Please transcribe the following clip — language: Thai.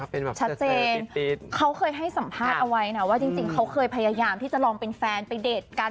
เป็นแบบชัดเจนเขาเคยให้สัมภาษณ์เอาไว้นะว่าจริงเขาเคยพยายามที่จะลองเป็นแฟนไปเดทกัน